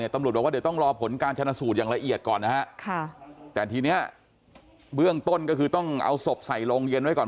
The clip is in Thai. ตำรวจบอกว่าเดี๋ยวต้องรอผลการชนะสูตรอย่างละเอียดก่อนนะฮะแต่ทีนี้เบื้องต้นก็คือต้องเอาศพใส่โรงเย็นไว้ก่อน